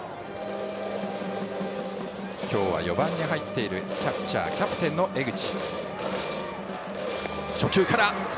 今日は４番に入っているキャッチャー、キャプテンの江口。